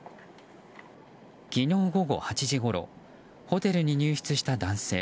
昨日午後８時ごろホテルに入室した男性。